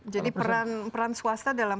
jadi peran swasta dalam